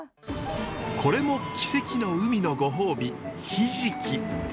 これも奇跡の海のご褒美ヒジキ。